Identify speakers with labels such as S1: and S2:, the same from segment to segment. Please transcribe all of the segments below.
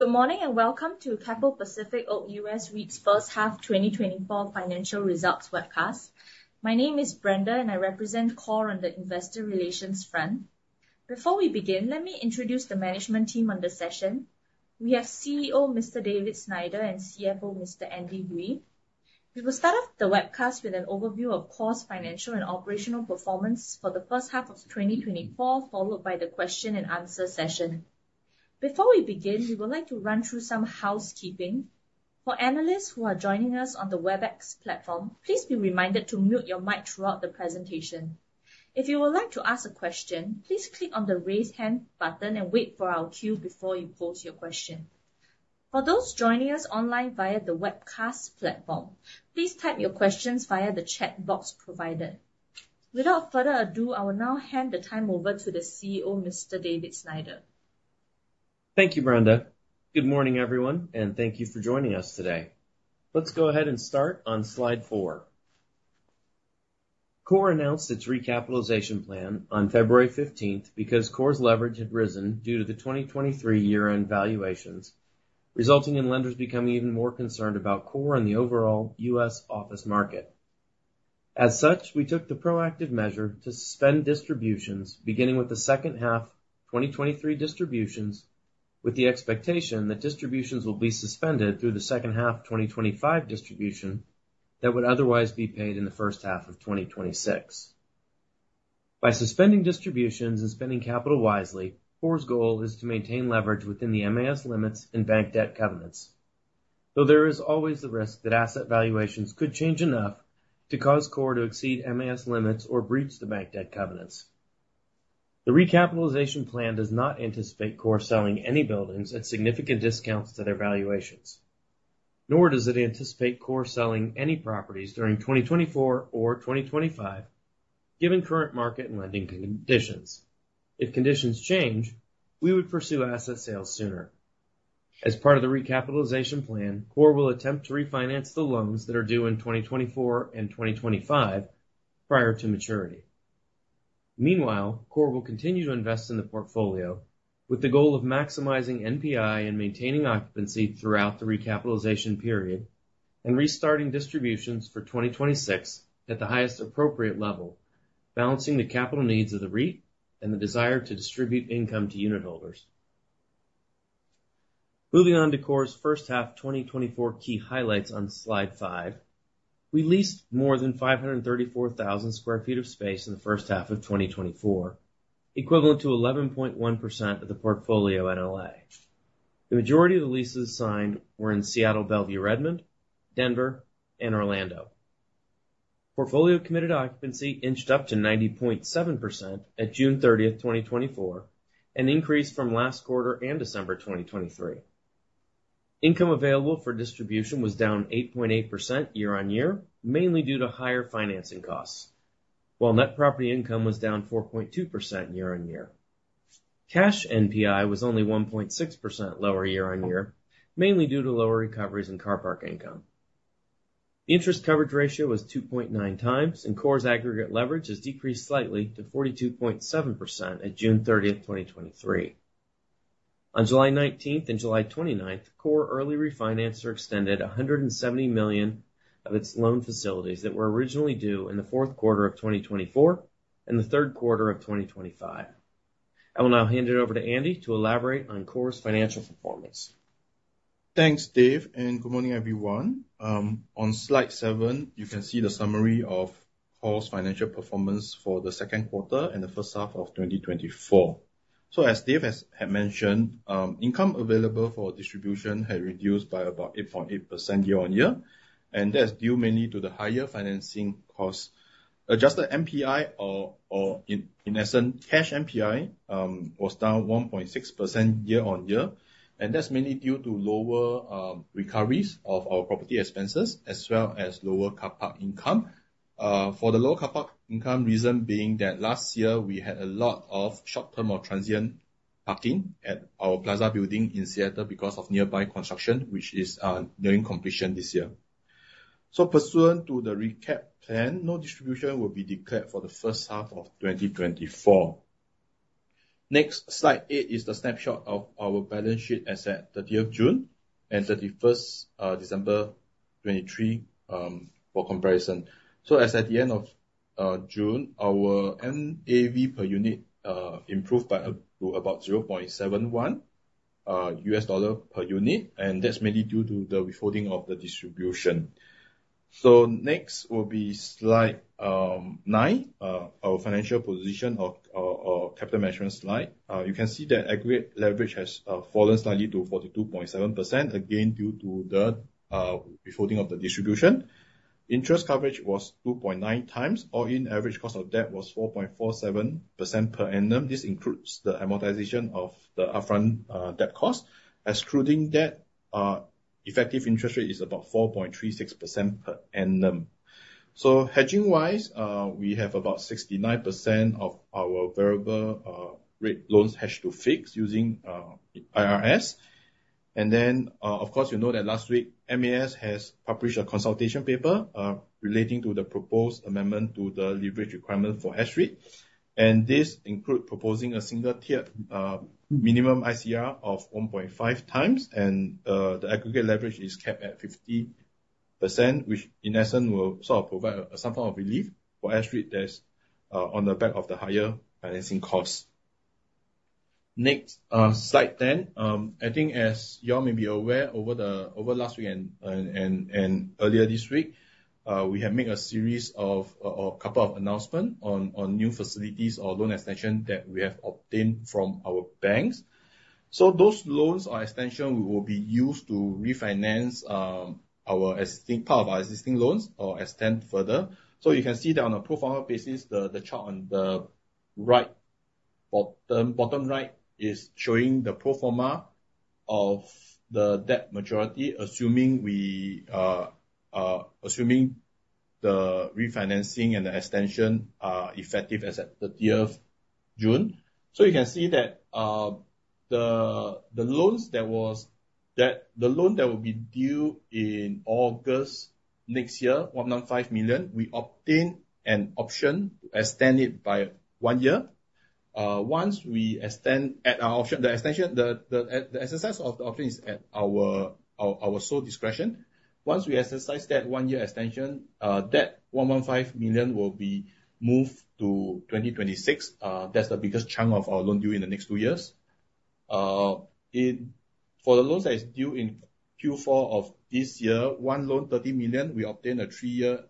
S1: Good morning and welcome to KORE US REIT's first half 2024 financial results webcast. My name is Brenda, I represent KORE on the investor relations front. Before we begin, let me introduce the management team on the session. We have CEO, Mr. David Snyder, and CFO, Mr. Andy Gwee. We will start off the webcast with an overview of KORE's financial and operational performance for the first half of 2024, followed by the question and answer session. Before we begin, we would like to run through some housekeeping. For analysts who are joining us on the Webex platform, please be reminded to mute your mic throughout the presentation. If you would like to ask a question, please click on the raise hand button and wait for our cue before you pose your question. For those joining us online via the webcast platform, please type your questions via the chat box provided. Without further ado, I will now hand the time over to the CEO, Mr. David Snyder.
S2: Thank you, Brenda. Good morning, everyone, thank you for joining us today. Let's go ahead and start on slide four. KORE announced its recapitalization plan on February 15th because KORE's leverage had risen due to the 2023 year-end valuations, resulting in lenders becoming even more concerned about KORE and the overall U.S. office market. As such, we took the proactive measure to suspend distributions beginning with the second half 2023 distributions with the expectation that distributions will be suspended through the second half 2025 distribution that would otherwise be paid in the first half of 2026. By suspending distributions and spending capital wisely, KORE's goal is to maintain leverage within the MAS limits and bank debt covenants. Though there is always the risk that asset valuations could change enough to cause KORE to exceed MAS limits or breach the bank debt covenants. The recapitalization plan does not anticipate KORE selling any buildings at significant discounts to their valuations, nor does it anticipate KORE selling any properties during 2024 or 2025, given current market and lending conditions. If conditions change, we would pursue asset sales sooner. As part of the recapitalization plan, KORE will attempt to refinance the loans that are due in 2024 and 2025 prior to maturity. Meanwhile, KORE will continue to invest in the portfolio with the goal of maximizing NPI and maintaining occupancy throughout the recapitalization period and restarting distributions for 2026 at the highest appropriate level, balancing the capital needs of the REIT and the desire to distribute income to unit holders. Moving on to KORE's first half 2024 key highlights on slide five. We leased more than 534,000 square feet of space in the first half of 2024, equivalent to 11.1% of the portfolio NLA. The majority of the leases signed were in Seattle, Bellevue, Redmond, Denver, and Orlando. Portfolio committed occupancy inched up to 90.7% at June 30th, 2024, an increase from last quarter and December 2023. Income available for distribution was down 8.8% year-on-year, mainly due to higher financing costs, while net property income was down 4.2% year-on-year. Cash NPI was only 1.6% lower year-on-year, mainly due to lower recoveries in car park income. The interest coverage ratio was 2.9 times, and KORE's aggregate leverage has decreased slightly to 42.7% at June 30th, 2023. On July 19th and July 29th, KORE early refinanced or extended $170 million of its loan facilities that were originally due in the fourth quarter of 2024 and the third quarter of 2025. I will now hand it over to Andy to elaborate on KORE's financial performance.
S3: Thanks, Dave, and good morning, everyone. On slide seven, you can see the summary of KORE's financial performance for the second quarter and the first half of 2024. As Dave had mentioned, income available for distribution had reduced by about 8.8% year-on-year, and that's due mainly to the higher financing cost. Adjusted NPI or in essence, cash NPI, was down 1.6% year-on-year, and that's mainly due to lower recoveries of our property expenses as well as lower car park income. For the low car park income reason being that last year we had a lot of short-term or transient parking at our plaza building in Seattle because of nearby construction, which is nearing completion this year. Pursuant to the recapitalization plan, no distribution will be declared for the first half of 2024. Next, slide eight is the snapshot of our balance sheet as at June 30th and December 31st, 2023 for comparison. As at the end of June, our NAV per unit improved to about $0.71 per unit, and that's mainly due to the withholding of the distribution. Next will be slide nine. Our financial position or capital measurement slide. You can see that aggregate leverage has fallen slightly to 42.7%, again, due to the withholding of the distribution. Interest coverage was 2.9 times. All-in average cost of debt was 4.47% per annum. This includes the amortization of the upfront debt cost. Excluding debt, effective interest rate is about 4.36% per annum. Hedging wise, we have about 69% of our variable rate loans hedged to fixed using IRS. Of course, you know that last week MAS has published a consultation paper relating to the proposed amendment to the leverage requirement for S-REITs. This includes proposing a single-tier minimum ICR of 1.5 times, and the aggregate leverage is capped at 50%, which in essence will provide some form of relief for our S-REIT that is on the back of the higher financing costs. Next slide. As you all may be aware, over last week and earlier this week, we have made a couple of announcements on new facilities or loan extension that we have obtained from our banks. Those loans or extension will be used to refinance part of our existing loans or extend further. You can see that on a pro forma basis, the chart on the bottom right is showing the pro forma of the debt maturity, assuming the refinancing and the extension are effective as at June 30. You can see that the loan that will be due in August next year, $1.5 million, we obtain an option to extend it by one year. The exercise of the option is at our sole discretion. Once we exercise that one-year extension, that $1.5 million will be moved to 2026. That is the biggest chunk of our loan due in the next two years. For the loans that is due in Q4 of this year, one loan, $30 million, we obtain a three-year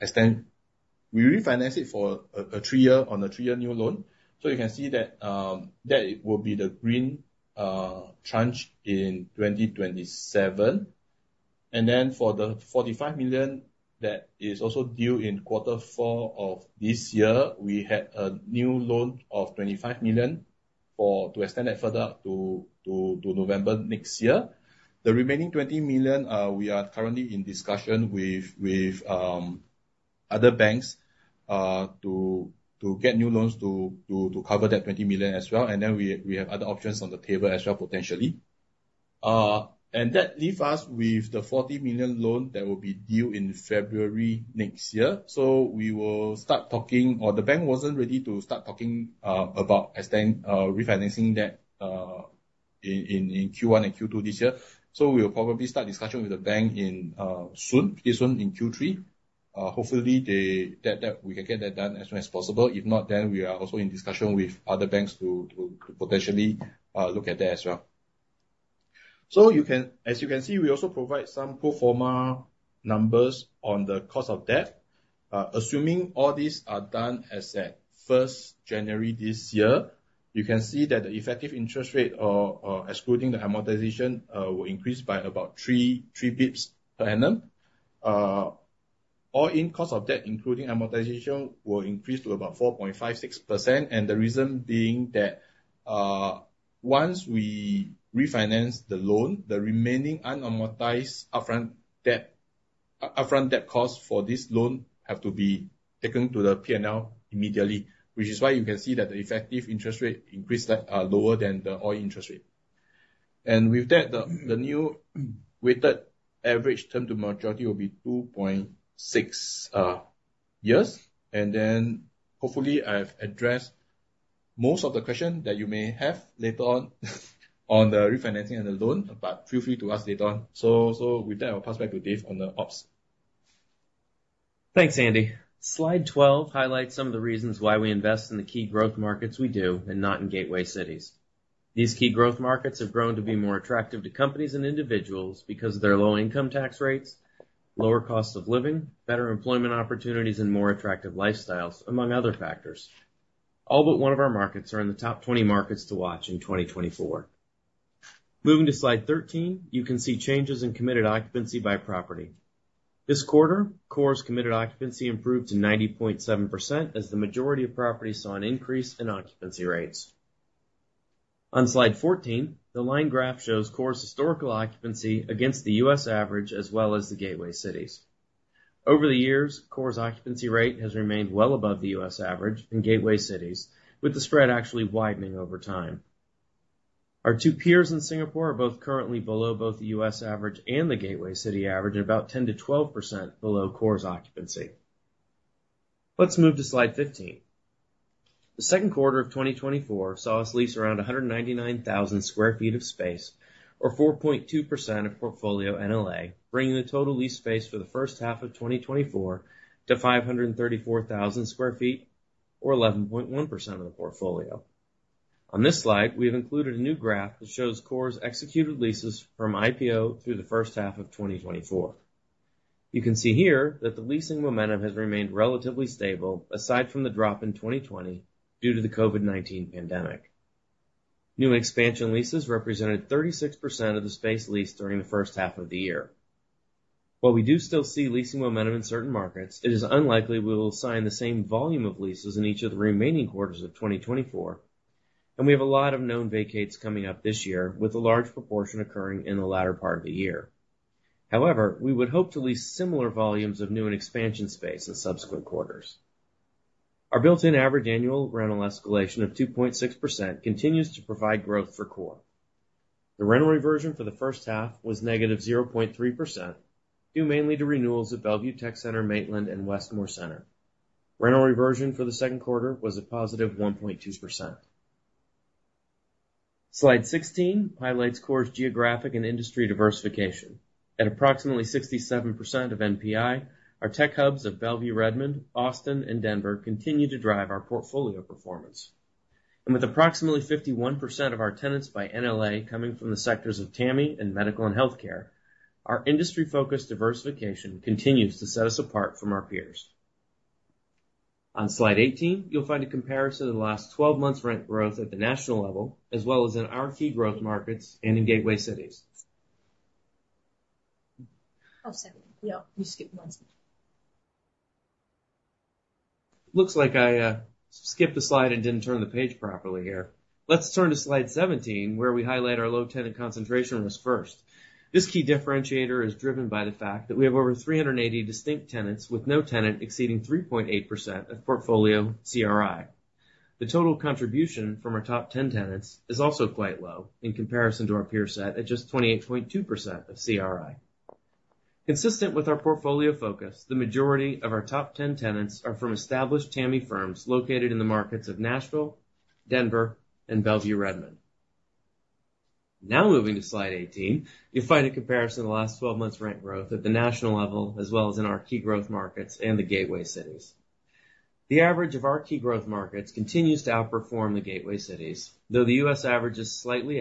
S3: extend. We refinance it for a three-year on a three-year new loan. You can see that it will be the green tranche in 2027. For the $45 million that is also due in quarter four of this year, we had a new loan of $25 million to extend that further to November next year. The remaining $20 million, we are currently in discussion with other banks to get new loans to cover that $20 million as well, we have other options on the table as well, potentially. That leaves us with the $40 million loan that will be due in February next year. We will start talking, or the bank was not ready to start talking about refinancing that in Q1 and Q2 this year. We will probably start discussion with the bank soon, this one in Q3. Hopefully, we can get that done as soon as possible. If not, we are also in discussion with other banks to potentially look at that as well. As you can see, we also provide some pro forma numbers on the cost of debt. Assuming all these are done as at January 1 this year, you can see that the effective interest rate, excluding the amortization, will increase by about three basis points per annum. All-in cost of debt, including amortization, will increase to about 4.56%. The reason being that once we refinance the loan, the remaining unamortized upfront debt cost for this loan have to be taken to the P&L immediately, which is why you can see that the effective interest rate increase that are lower than the all interest rate. With that, the new weighted average term to maturity will be 2.6 years. Hopefully, I have addressed most of the question that you may have later on on the refinancing of the loan. Feel free to ask later on. With that, I'll pass back to Dave on the ops.
S2: Thanks, Andy. Slide 12 highlights some of the reasons why we invest in the key growth markets we do and not in gateway cities. These key growth markets have grown to be more attractive to companies and individuals because of their low income tax rates, lower cost of living, better employment opportunities, and more attractive lifestyles, among other factors. All but one of our markets are in the top 20 markets to watch in 2024. Moving to slide 13, you can see changes in committed occupancy by property. This quarter, KORE's committed occupancy improved to 90.7% as the majority of properties saw an increase in occupancy rates. On slide 14, the line graph shows KORE's historical occupancy against the U.S. average as well as the gateway cities. Over the years, KORE's occupancy rate has remained well above the U.S. average and gateway cities, with the spread actually widening over time. Our two peers in Singapore are both currently below both the U.S. average and the gateway city average, and about 10-12% below KORE's occupancy. Let's move to slide 15. The second quarter of 2024 saw us lease around 199,000 square feet of space or 4.2% of portfolio NLA, bringing the total leased space for the first half of 2024 to 534,000 square feet or 11.1% of the portfolio. On this slide, we have included a new graph that shows KORE's executed leases from IPO through the first half of 2024. You can see here that the leasing momentum has remained relatively stable aside from the drop in 2020 due to the COVID-19 pandemic. New expansion leases represented 36% of the space leased during the first half of the year. While we do still see leasing momentum in certain markets, it is unlikely we will sign the same volume of leases in each of the remaining quarters of 2024, and we have a lot of known vacates coming up this year, with a large proportion occurring in the latter part of the year. However, we would hope to lease similar volumes of new and expansion space in subsequent quarters. Our built-in average annual rental escalation of 2.6% continues to provide growth for KORE. The rental reversion for the first half was negative 0.3%, due mainly to renewals at Bellevue Tech Center, Maitland, and Westmoor Center. Rental reversion for the second quarter was a positive 1.2%. Slide 16 highlights KORE's geographic and industry diversification. At approximately 67% of NPI, our tech hubs of Bellevue, Redmond, Austin, and Denver continue to drive our portfolio performance. With approximately 51% of our tenants by NLA coming from the sectors of TAMI and medical and healthcare, our industry-focused diversification continues to set us apart from our peers. On slide 18, you'll find a comparison of the last 12 months rent growth at the national level, as well as in our key growth markets and in gateway cities.
S1: Oh, 17. Yeah, you skipped one.
S2: Looks like I skipped a slide and didn't turn the page properly here. Let's turn to slide 17, where we highlight our low tenant concentration risk first. This key differentiator is driven by the fact that we have over 380 distinct tenants, with no tenant exceeding 3.8% of portfolio CRI. The total contribution from our top 10 tenants is also quite low in comparison to our peer set at just 28.2% of CRI. Consistent with our portfolio focus, the majority of our top 10 tenants are from established TAMI firms located in the markets of Nashville, Denver, and Bellevue, Redmond. Moving to slide 18, you'll find a comparison of the last 12 months rent growth at the national level, as well as in our key growth markets and the gateway cities. The average of our key growth markets continues to outperform the gateway cities, though the U.S. average is slightly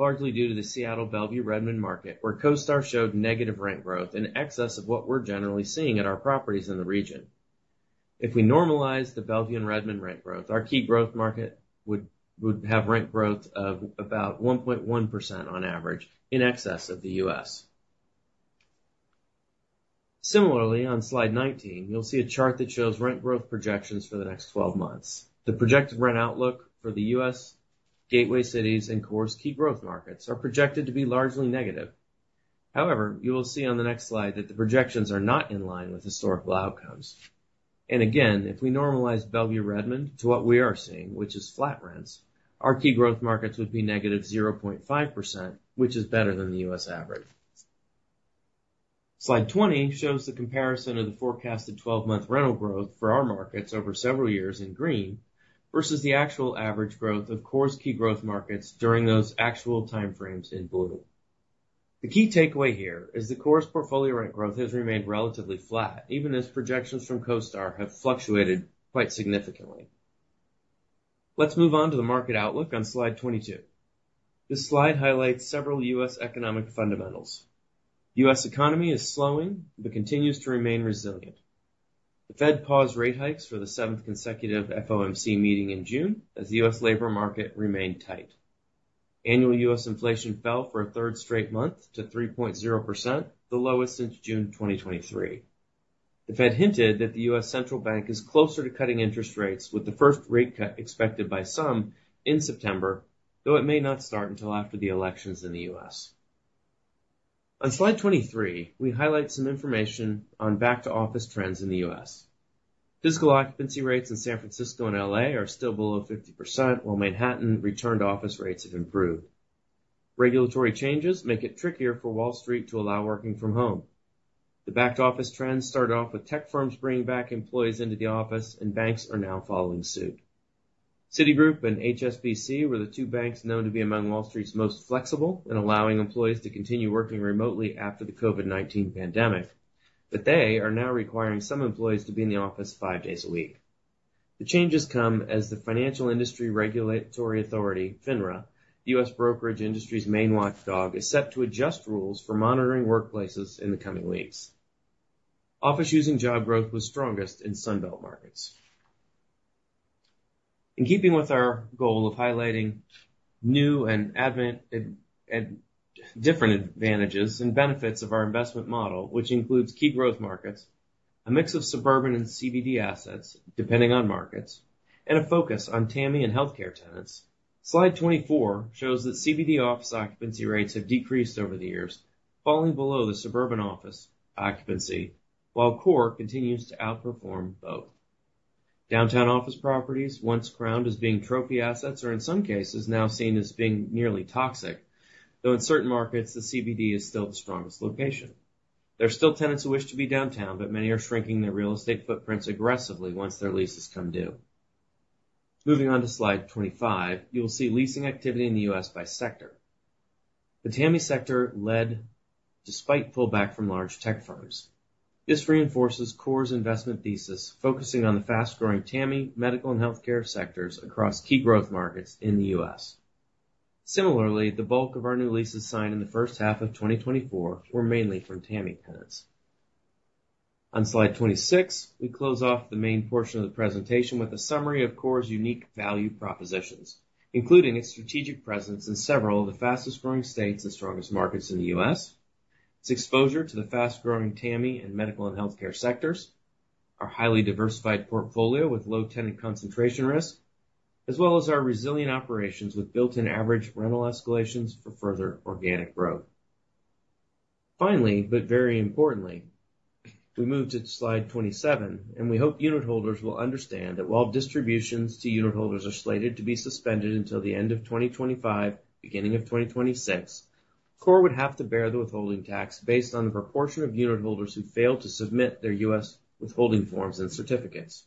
S2: ahead, largely due to the Seattle Bellevue Redmond market, where CoStar showed negative rent growth in excess of what we're generally seeing at our properties in the region. If we normalize the Bellevue and Redmond rent growth, our key growth market would have rent growth of about 1.1% on average, in excess of the U.S. Similarly, on slide 19, you'll see a chart that shows rent growth projections for the next 12 months. The projected rent outlook for the U.S. gateway cities and KORE's key growth markets are projected to be largely negative. You will see on the next slide that the projections are not in line with historical outcomes. If we normalize Bellevue, Redmond to what we are seeing, which is flat rents, our key growth markets would be -0.5%, which is better than the U.S. average. Slide 20 shows the comparison of the forecasted 12-month rental growth for our markets over several years in green, versus the actual average growth of KORE's key growth markets during those actual time frames in blue. The key takeaway here is KORE's portfolio rent growth has remained relatively flat, even as projections from CoStar have fluctuated quite significantly. Let's move on to the market outlook on slide 22. This slide highlights several U.S. economic fundamentals. U.S. economy is slowing but continues to remain resilient. The Fed paused rate hikes for the seventh consecutive FOMC meeting in June as the U.S. labor market remained tight. Annual U.S. inflation fell for a third straight month to 3.0%, the lowest since June 2023. The Fed hinted that the U.S. central bank is closer to cutting interest rates with the first rate cut expected by some in September, though it may not start until after the elections in the U.S. On slide 23, we highlight some information on back to office trends in the U.S. Physical occupancy rates in San Francisco and L.A. are still below 50%, while Manhattan return-to-office rates have improved. Regulatory changes make it trickier for Wall Street to allow working from home. Banks are now following suit. Citigroup and HSBC were the two banks known to be among Wall Street's most flexible in allowing employees to continue working remotely after the COVID-19 pandemic. They are now requiring some employees to be in the office five days a week. The changes come as the Financial Industry Regulatory Authority, FINRA, the U.S. brokerage industry's main watchdog, is set to adjust rules for monitoring workplaces in the coming weeks. Office using job growth was strongest in Sun Belt markets. In keeping with our goal of highlighting new and advent different advantages and benefits of our investment model, which includes key growth markets, a mix of suburban and CBD assets, depending on markets, and a focus on TAMI and healthcare tenants, slide 24 shows that CBD office occupancy rates have decreased over the years, falling below the suburban office occupancy, while KORE continues to outperform both. Downtown office properties, once crowned as being trophy assets, are in some cases now seen as being nearly toxic, though in certain markets, the CBD is still the strongest location. There are still tenants who wish to be downtown. Many are shrinking their real estate footprints aggressively once their leases come due. Moving on to slide 25, you will see leasing activity in the U.S. by sector. The TAMI sector led despite pullback from large tech firms. This reinforces KORE's investment thesis, focusing on the fast-growing TAMI, medical and healthcare sectors across key growth markets in the U.S. Similarly, the bulk of our new leases signed in the first half of 2024 were mainly from TAMI tenants. On slide 26, we close off the main portion of the presentation with a summary of KORE's unique value propositions, including its strategic presence in several of the fastest-growing states and strongest markets in the U.S., its exposure to the fast-growing TAMI and medical and healthcare sectors, our highly diversified portfolio with low tenant concentration risk, as well as our resilient operations with built-in average rental escalations for further organic growth. Finally, very importantly, we move to slide 27. We hope unitholders will understand that while distributions to unitholders are slated to be suspended until the end of 2025, beginning of 2026, KORE would have to bear the withholding tax based on the proportion of unitholders who fail to submit their U.S. withholding forms and certificates.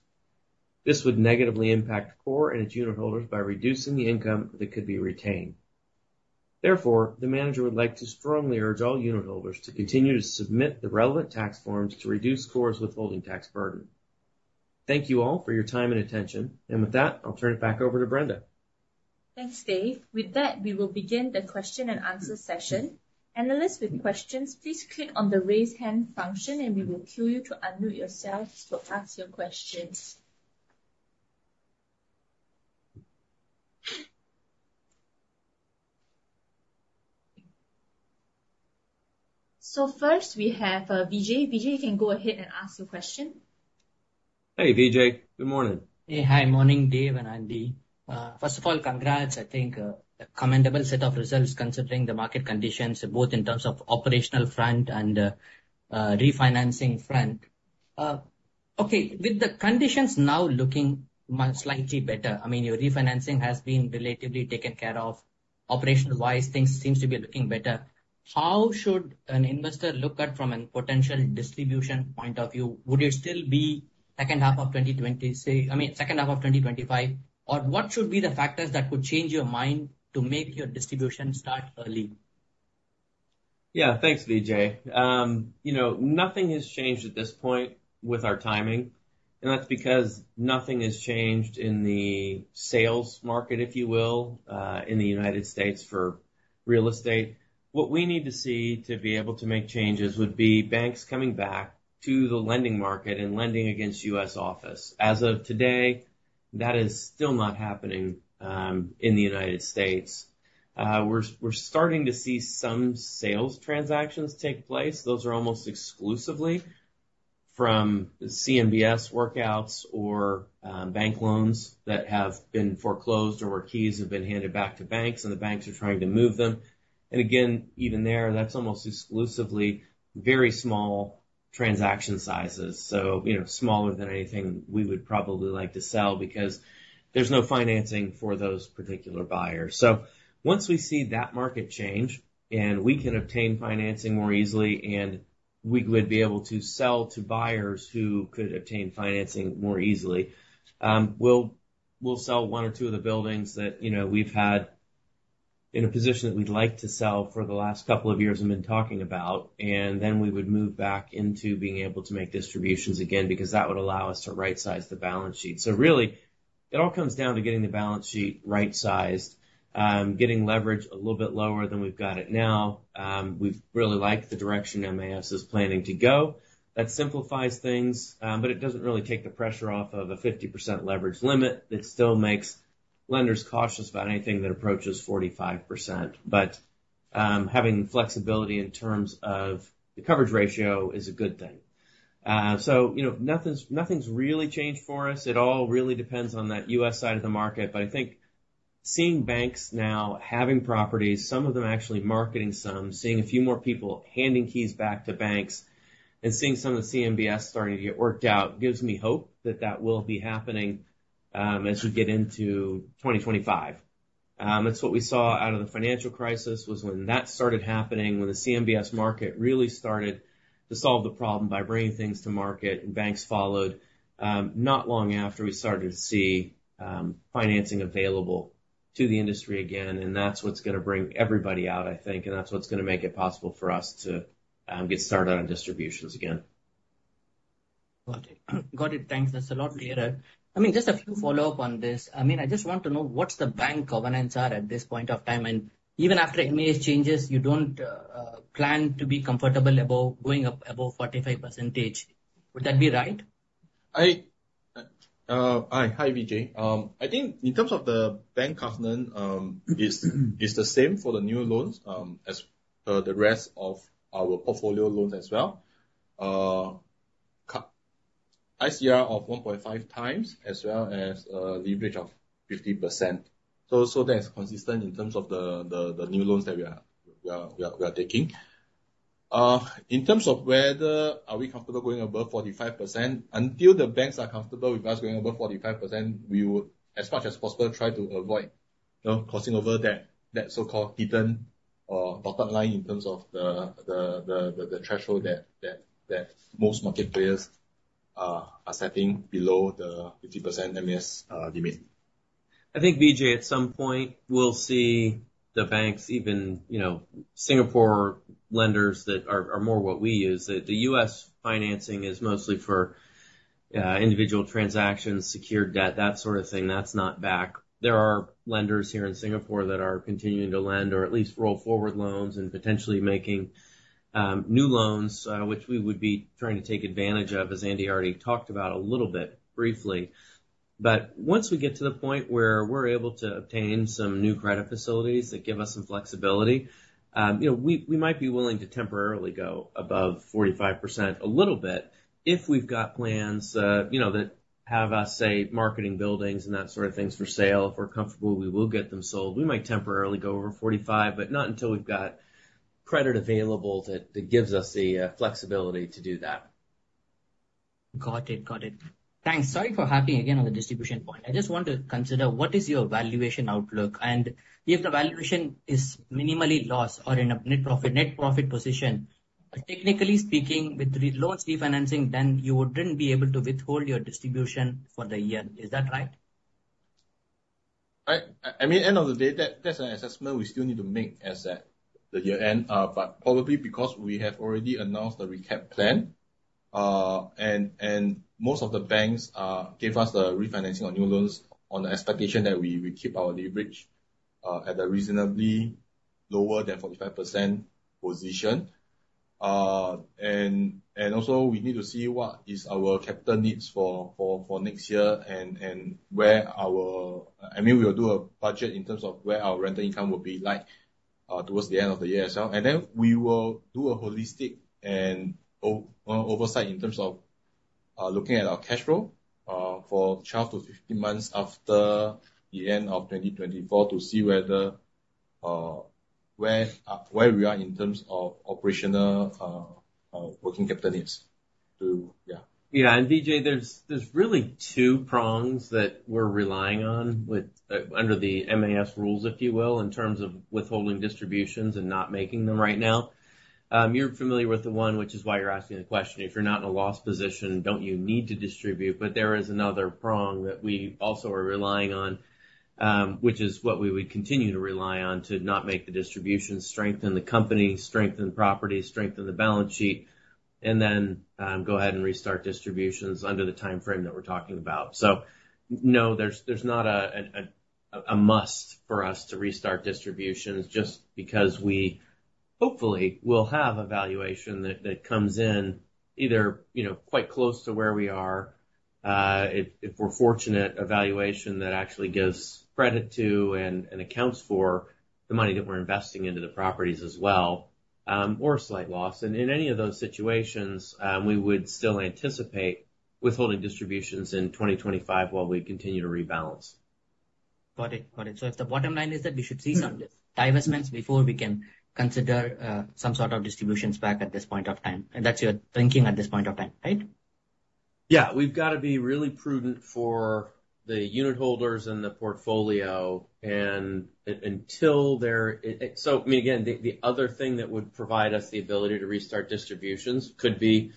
S2: This would negatively impact KORE and its unitholders by reducing the income that could be retained. The manager would like to strongly urge all unitholders to continue to submit the relevant tax forms to reduce KORE's withholding tax burden. Thank you all for your time and attention. With that, I'll turn it back over to Brenda.
S1: Thanks, Dave. With that, we will begin the question and answer session. Analysts with questions, please click on the raise hand function. We will queue you to unmute yourself to ask your questions. First, we have Vijay. Vijay, you can go ahead and ask your question.
S2: Hey, Vijay. Good morning.
S4: Hey. Hi. Morning, Dave and Andy. First of all, congrats. I think a commendable set of results considering the market conditions, both in terms of operational front and refinancing front. With the conditions now looking slightly better, I mean, your refinancing has been relatively taken care of. Operational-wise, things seem to be looking better. How should an investor look at from a potential distribution point of view? Would it still be second half of 2025? What should be the factors that could change your mind to make your distribution start early?
S2: Yeah, thanks, Vijay. Nothing has changed at this point with our timing, and that's because nothing has changed in the sales market, if you will, in the U.S. for real estate. What we need to see to be able to make changes would be banks coming back to the lending market and lending against U.S. office. As of today, that is still not happening in the U.S. We're starting to see some sales transactions take place. Those are almost exclusively from CMBS workouts or bank loans that have been foreclosed, or where keys have been handed back to banks, and the banks are trying to move them. Again, even there, that's almost exclusively very small transaction sizes. Smaller than anything we would probably like to sell because there's no financing for those particular buyers. Once we see that market change and we can obtain financing more easily, and we would be able to sell to buyers who could obtain financing more easily, we'll sell one or two of the buildings that we've had in a position that we'd like to sell for the last couple of years and been talking about. Then we would move back into being able to make distributions again, because that would allow us to right-size the balance sheet. Really, it all comes down to getting the balance sheet right-sized, getting leverage a little bit lower than we've got it now. We've really liked the direction MAS is planning to go. That simplifies things, but it doesn't really take the pressure off of a 50% leverage limit. It still makes lenders cautious about anything that approaches 45%, but having flexibility in terms of the coverage ratio is a good thing. Nothing's really changed for us. It all really depends on that U.S. side of the market. I think seeing banks now having properties, some of them actually marketing some, seeing a few more people handing keys back to banks and seeing some of the CMBS starting to get worked out gives me hope that that will be happening as we get into 2025. It's what we saw out of the financial crisis, was when that started happening, when the CMBS market really started to solve the problem by bringing things to market. Banks followed. Not long after, we started to see financing available to the industry again, and that's what's going to bring everybody out, I think. That's what's going to make it possible for us to get started on distributions again.
S4: Got it. Thanks. That's a lot clearer. Just a few follow-up on this. I just want to know what the bank covenants are at this point of time, and even after MAS changes, you don't plan to be comfortable going up above 45%. Would that be right?
S3: Hi, Vijay. I think in terms of the bank covenant, it's the same for the new loans as the rest of our portfolio loans as well. ICR of 1.5 times as well as leverage of 50%. That is consistent in terms of the new loans that we are taking. In terms of whether are we comfortable going above 45%, until the banks are comfortable with us going above 45%, we would as much as possible try to avoid crossing over that so-called hidden or dotted line in terms of the threshold that most market players are setting below the 50% MAS limit.
S2: I think, Vijay, at some point, we'll see the banks even, Singapore lenders that are more what we use. The U.S. financing is mostly for individual transactions, secured debt, that sort of thing. That's not back. There are lenders here in Singapore that are continuing to lend or at least roll forward loans and potentially making new loans, which we would be trying to take advantage of, as Andy already talked about a little bit briefly. Once we get to the point where we're able to obtain some new credit facilities that give us some flexibility, we might be willing to temporarily go above 45% a little bit if we've got plans that have us, say, marketing buildings and that sort of things for sale. If we're comfortable, we will get them sold. We might temporarily go over 45, but not until we've got credit available that gives us the flexibility to do that.
S4: Got it. Thanks. Sorry for harping again on the distribution point. I just want to consider what is your valuation outlook, if the valuation is minimally lost or in a net profit position Technically speaking, with loans refinancing, you wouldn't be able to withhold your distribution for the year. Is that right?
S3: Right. At the end of the day, that's an assessment we still need to make as at the year-end. Probably because we have already announced the recapitalization plan, and most of the banks gave us the refinancing on new loans on the expectation that we keep our leverage at a reasonably lower than 45% position. Also, we need to see what is our capital needs for next year and We'll do a budget in terms of where our rental income will be like towards the end of the year as well. Then we will do a holistic and oversight in terms of looking at our cash flow for 12 to 15 months after the end of 2024 to see where we are in terms of operational working capital needs.
S2: Vijay, there's really two prongs that we're relying on under the MAS rules, if you will, in terms of withholding distributions and not making them right now. You're familiar with the one, which is why you're asking the question, if you're not in a loss position, don't you need to distribute? There is another prong that we also are relying on, which is what we would continue to rely on to not make the distributions, strengthen the company, strengthen the property, strengthen the balance sheet, then, go ahead and restart distributions under the timeframe that we're talking about. No, there's not a must for us to restart distributions just because we hopefully will have a valuation that comes in either quite close to where we are. a valuation that actually gives credit to and accounts for the money that we're investing into the properties as well, or a slight loss. In any of those situations, we would still anticipate withholding distributions in 2025 while we continue to rebalance.
S4: Got it. If the bottom line is that we should see some divestments before we can consider some sort of distributions back at this point of time, and that's your thinking at this point of time, right?
S2: Yeah. We've got to be really prudent for the unitholders and the portfolio. Again, the other thing that would provide us the ability to restart distributions could be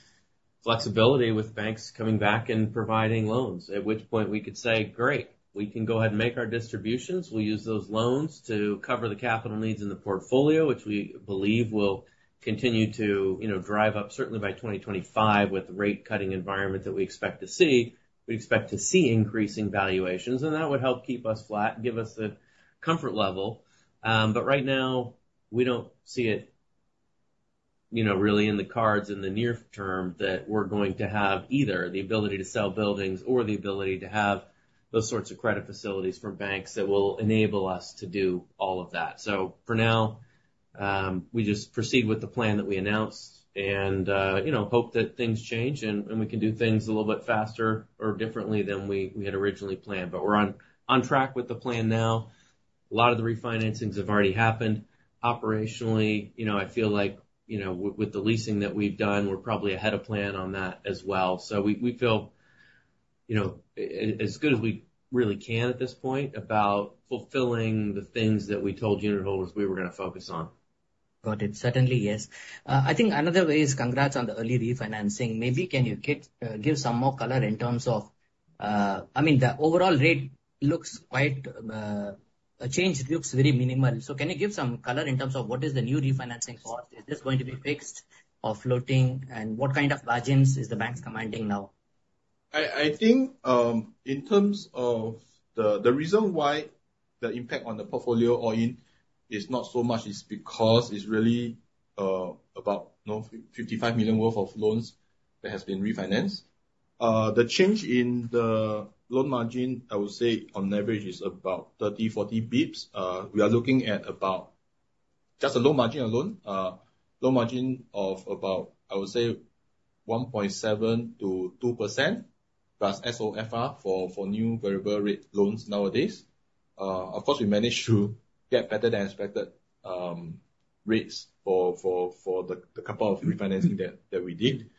S2: flexibility with banks coming back and providing loans. At which point we could say, "Great. We can go ahead and make our distributions." We'll use those loans to cover the capital needs in the portfolio, which we believe will continue to drive up certainly by 2025 with the rate-cutting environment that we expect to see. We expect to see increasing valuations, and that would help keep us flat and give us a comfort level. Right now, we don't see it really in the cards in the near term that we're going to have either the ability to sell buildings or the ability to have those sorts of credit facilities from banks that will enable us to do all of that. For now, we just proceed with the plan that we announced and hope that things change, and we can do things a little bit faster or differently than we had originally planned. We're on track with the plan now. A lot of the refinancings have already happened. Operationally, I feel like, with the leasing that we've done, we're probably ahead of plan on that as well. We feel as good as we really can at this point about fulfilling the things that we told unitholders we were going to focus on.
S4: Got it. Certainly, yes. I think another way is congrats on the early refinancing. Maybe can you give some more color in terms of, the overall rate change looks very minimal. Can you give some color in terms of what is the new refinancing for? Is this going to be fixed or floating, and what kind of margins is the banks commanding now?
S3: I think, in terms of the reason why the impact on the portfolio all in is not so much is because it's really about $55 million worth of loans that has been refinanced. The change in the loan margin, I would say, on average is about 30, 40 basis points. We are looking at about just a loan margin alone of about, I would say, 1.7%-2% plus SOFR for new variable rate loans nowadays. Of course, we managed to get better than expected rates for the couple of refinancing that we did.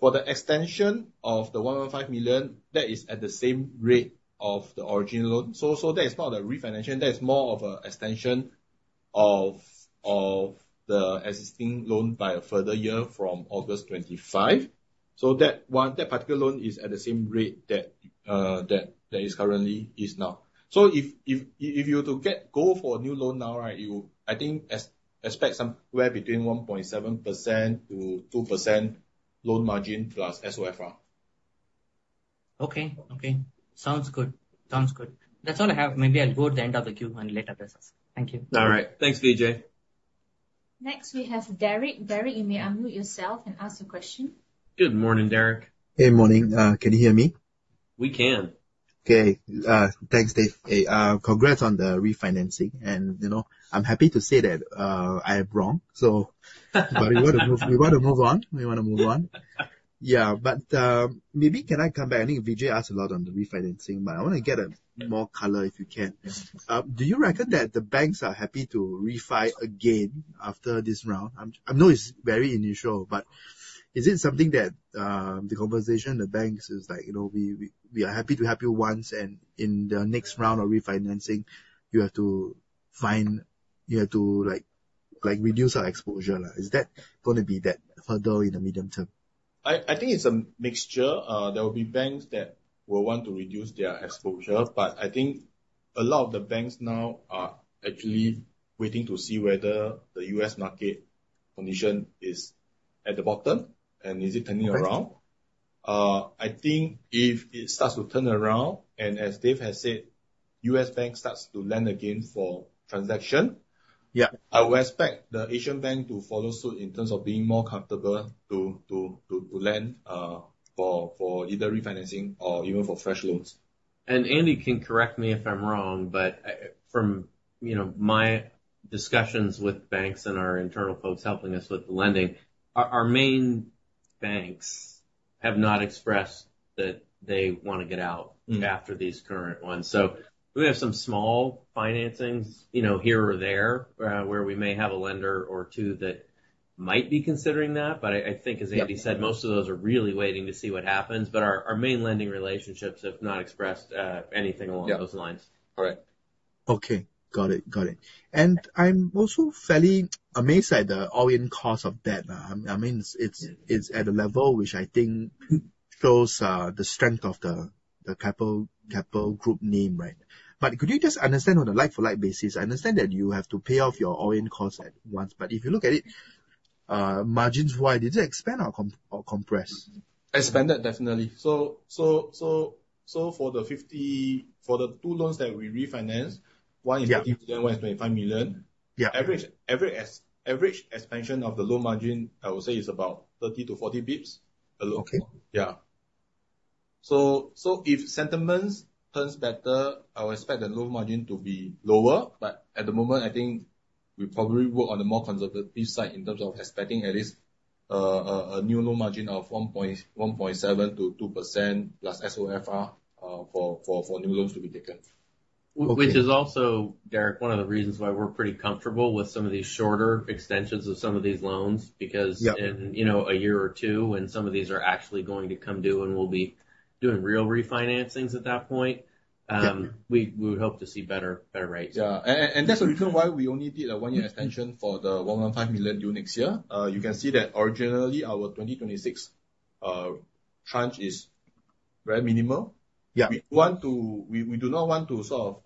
S3: For the extension of the $105 million, that is at the same rate of the original loan. That is part of the refinancing. That is more of an extension of the existing loan by a further year from August 2025. That particular loan is at the same rate that it currently is. If you to go for a new loan now, right, you, I think, expect somewhere between 1.7%-2% loan margin plus SOFR.
S4: Okay. Sounds good. That's all I have. Maybe I'll go at the end of the queue and later address us. Thank you.
S2: All right. Thanks, Vijay.
S1: Next, we have Derek. Derek, you may unmute yourself and ask your question.
S2: Good morning, Derek.
S4: Hey, morning. Can you hear me?
S2: We can.
S4: Okay. Thanks, Dave. Congrats on the refinancing, I am happy to say that I am wrong. We want to move on. Maybe can I come back? I think Vijay asked a lot on the refinancing, I want to get more color if you can.
S2: Yes.
S4: Do you reckon that the banks are happy to refi again after this round? I know it's very initial, Is it something that the conversation, the banks is like, "We are happy to help you once, in the next round of refinancing, you have to reduce our exposure." Is that going to be that hurdle in the medium term?
S3: I think it's a mixture. There will be banks that will want to reduce their exposure, I think a lot of the banks now are actually waiting to see whether the U.S. market condition is at the bottom, is it turning around.
S4: Right.
S3: I think if it starts to turn around, as Dave has said, U.S. banks start to lend again for transaction-
S4: Yeah
S3: I would expect the Asian bank to follow suit in terms of being more comfortable to lend for either refinancing or even for fresh loans.
S2: Andy can correct me if I'm wrong, from my discussions with banks and our internal folks helping us with the lending, our main banks have not expressed that they want to get out after these current ones. We have some small financings here or there, where we may have a lender or two that might be considering that. I think, as Andy said, most of those are really waiting to see what happens. Our main lending relationships have not expressed anything along those lines.
S3: Yeah. Correct.
S4: Okay. Got it. I'm also fairly amazed at the all-in cost of debt. It's at a level which I think shows the strength of the Keppel group name, right? Could you just understand on a like-for-like basis, I understand that you have to pay off your all-in cost at once, but if you look at it, margins, why? Did they expand or compress?
S3: Expanded, definitely. For the two loans that we refinanced, one is $50 million, one is $25 million.
S4: Yeah.
S3: Average expansion of the loan margin, I would say, is about 30-40 basis points.
S4: Okay.
S3: Yeah. If sentiments turns better, I would expect the loan margin to be lower. At the moment, I think we probably work on the more conservative side in terms of expecting at least a new loan margin of 1.7%-2% plus SOFR for new loans to be taken.
S4: Okay.
S2: Which is also, Derek, one of the reasons why we're pretty comfortable with some of these shorter extensions of some of these loans.
S4: Yeah
S2: In a year or two, when some of these are actually going to come due and we'll be doing real refinancings.
S4: Yeah
S2: We would hope to see better rates.
S3: Yeah. That's the reason why we only did a one-year extension for the 115 million units here. You can see that originally our 2026 tranche is very minimal.
S4: Yeah.
S3: We do not want to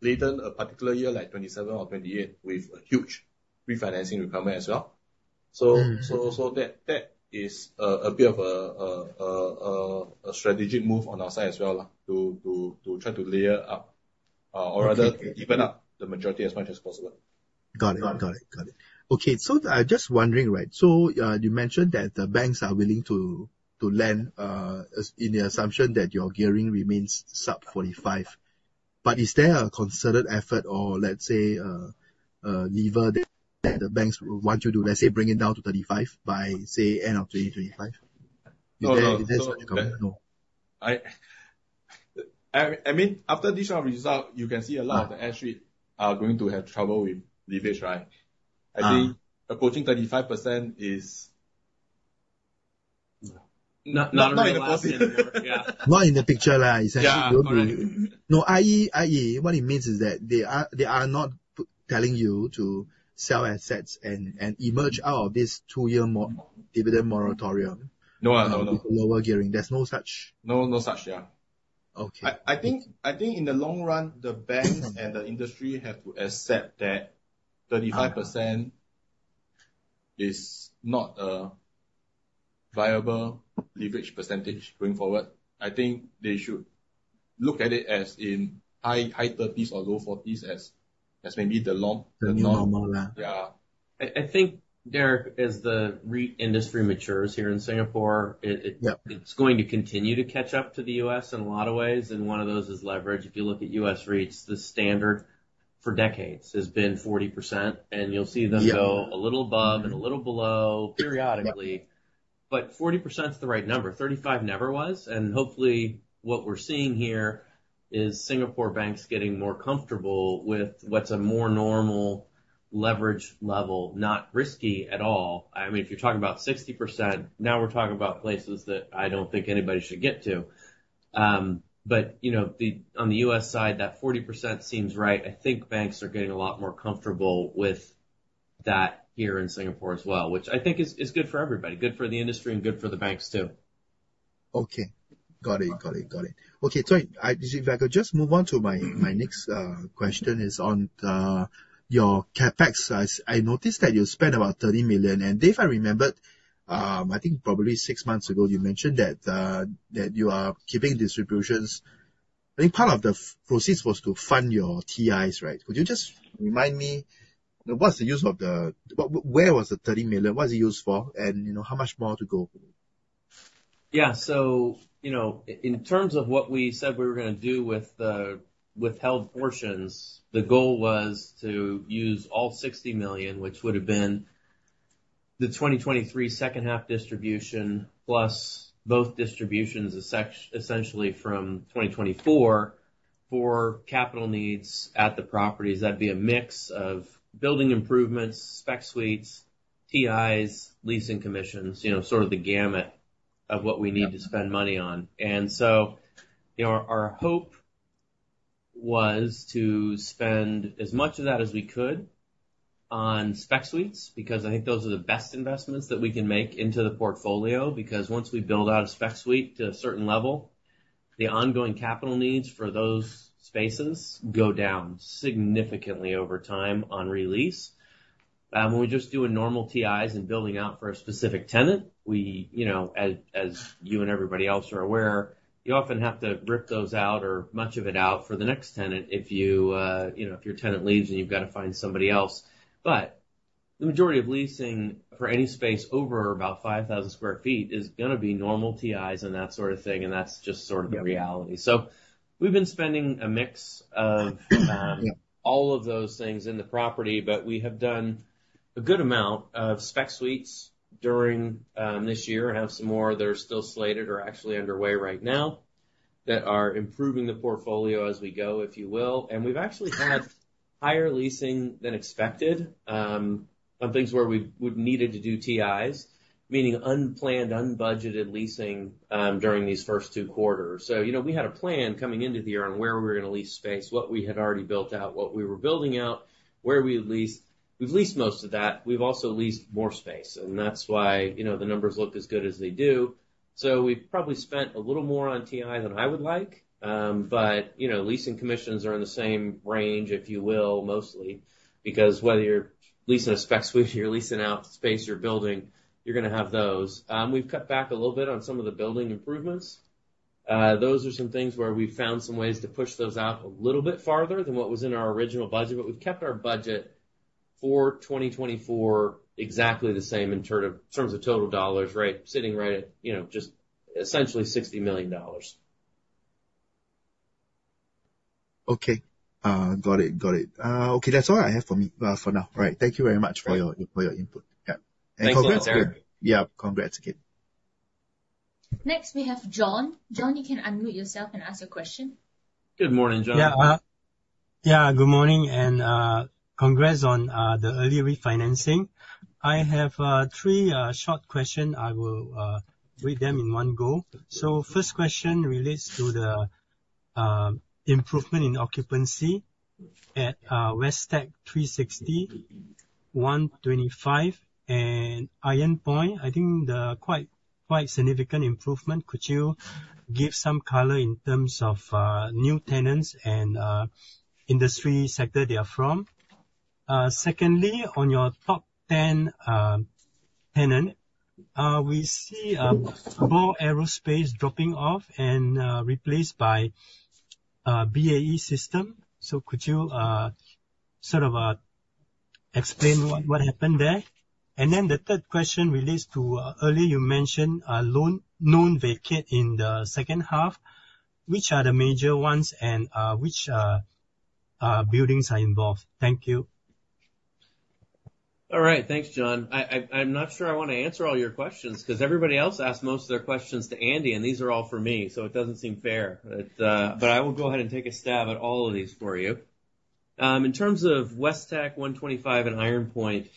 S3: laden a particular year, like 2027 or 2028, with a huge refinancing requirement as well. That is a bit of a strategic move on our side as well to try to layer up.
S4: Okay.
S3: Rather even up the majority as much as possible.
S4: Got it. Okay. I'm just wondering, right, you mentioned that the banks are willing to lend in the assumption that your gearing remains sub 45%. Is there a concerted effort or, let's say, a lever that the banks want you to, let's say, bring it down to 35% by, say, end of 2025?
S3: No.
S4: Is there something like that? No.
S3: After this round of result, you can see a lot of the S-REITs are going to have trouble with leverage, right? I think approaching 35% is not going to last anymore.
S4: Not in the picture.
S3: Yeah.
S4: Not in the picture.
S3: Yeah. Correct.
S4: No, i.e., what it means is that they are not telling you to sell assets and emerge out of this two-year dividend moratorium.
S3: No
S4: With lower gearing. There's no such?
S3: No such, yeah.
S4: Okay.
S3: I think in the long run, the banks and the industry have to accept that 35% is not a viable leverage percentage going forward. I think they should look at it as in high 30s or low 40s as maybe the norm.
S4: The new normal, yeah.
S3: Yeah.
S2: I think, Derek, as the REIT industry matures here in Singapore-
S4: Yep
S2: it's going to continue to catch up to the U.S. in a lot of ways, one of those is leverage. If you look at U.S. REITs, the standard for decades has been 40%, you'll see them-
S4: Yeah
S2: go a little above and a little below periodically.
S4: Yeah.
S2: 40% is the right number. 35% never was. Hopefully, what we're seeing here is Singapore banks getting more comfortable with what's a more normal leverage level. Not risky at all. If you're talking about 60%, now we're talking about places that I don't think anybody should get to. On the U.S. side, that 40% seems right. I think banks are getting a lot more comfortable with that here in Singapore as well, which I think is good for everybody. Good for the industry and good for the banks, too.
S4: Okay. Got it. Okay. Sorry, if I could just move on to my next question, is on your CapEx. I noticed that you spent about $30 million, Dave, I remembered, I think probably six months ago, you mentioned that you are keeping distributions. I think part of the proceeds was to fund your TIs, right? Could you just remind me, where was the $30 million? What was it used for? How much more to go?
S2: Yeah. In terms of what we said we were going to do with the withheld portions, the goal was to use all $60 million, which would've been the 2023 second half distribution, plus both distributions, essentially from 2024 for capital needs at the properties, that'd be a mix of building improvements, spec suites, TIs, leasing commissions, sort of the gamut of what we need to spend money on. Our hope was to spend as much of that as we could on spec suites, because I think those are the best investments that we can make into the portfolio. Because once we build out a spec suite to a certain level, the ongoing capital needs for those spaces go down significantly over time on release. When we just do a normal TIs and building out for a specific tenant, as you and everybody else are aware, you often have to rip those out or much of it out for the next tenant if your tenant leaves and you've got to find somebody else. The majority of leasing for any space over about 5,000 sq ft is going to be normal TIs and that sort of thing, and that's just sort of the reality. We've been spending a mix of all of those things in the property, but we have done a good amount of spec suites during this year and have some more that are still slated or actually underway right now that are improving the portfolio as we go, if you will. We've actually had higher leasing than expected on things where we've needed to do TIs, meaning unplanned, unbudgeted leasing during these first two quarters. We had a plan coming into the year on where we were going to lease space, what we had already built out, what we were building out, where we leased. We've leased most of that. We've also leased more space, and that's why the numbers look as good as they do. We've probably spent a little more on TIs than I would like. Leasing commissions are in the same range, if you will, mostly because whether you're leasing a spec suite or you're leasing out space you're building, you're going to have those. We've cut back a little bit on some of the building improvements. Those are some things where we've found some ways to push those out a little bit farther than what was in our original budget, we've kept our budget for 2024 exactly the same in terms of total dollars, sitting right at just essentially $60 million.
S4: Okay. Got it. Okay. That's all I have for me for now. All right. Thank you very much for your input. Yeah.
S2: Thank you.
S4: Yeah. Congrats again.
S1: Next we have John. John, you can unmute yourself and ask a question.
S2: Good morning, John.
S4: Yeah. Good morning. Congrats on the early refinancing. I have three short question. I will read them in one go. First question relates to the improvement in occupancy at West Tech 360, 125, and Iron Point. I think they are quite significant improvement. Could you give some color in terms of new tenants and industry sector they are from? Secondly, on your top 10 tenant, we see Ball Aerospace dropping off and replaced by BAE Systems. Could you sort of explain what happened there? The third question relates to earlier you mentioned a large vacancy in the second half. Which are the major ones, and which buildings are involved? Thank you.
S2: All right. Thanks, John. I'm not sure I want to answer all your questions because everybody else asked most of their questions to Andy, these are all for me, so it doesn't seem fair. I will go ahead and take a stab at all of these for you. In terms of West Tech 125 and Iron Point,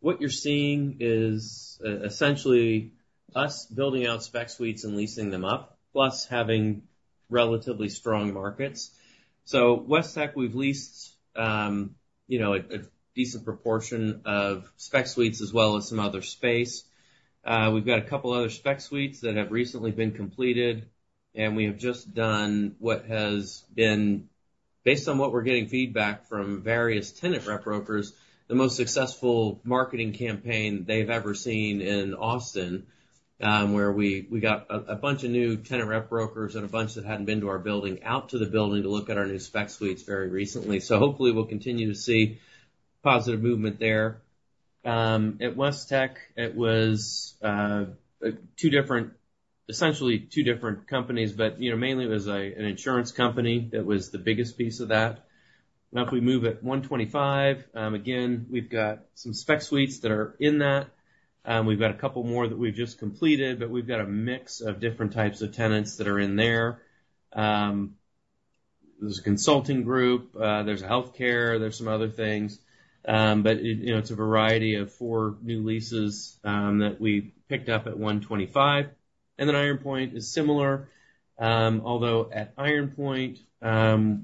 S2: what you're seeing is essentially us building out spec suites and leasing them up, plus having relatively strong markets. West Tech, we've leased a decent proportion of spec suites as well as some other space. We've got a couple other spec suites that have recently been completed, we have just done what has been, based on what we're getting feedback from various tenant rep brokers, the most successful marketing campaign they've ever seen in Austin, where we got a bunch of new tenant rep brokers and a bunch that hadn't been to our building, out to the building to look at our new spec suites very recently. Hopefully we'll continue to see positive movement there. At West Tech, it was essentially two different companies, mainly it was an insurance company that was the biggest piece of that. Now, if we move at 125, again, we've got some spec suites that are in that. We've got a couple more that we've just completed, we've got a mix of different types of tenants that are in there. There's a consulting group, there's a healthcare, there's some other things. It's a variety of four new leases that we've picked up at 125. Iron Point is similar. Although at Iron Point,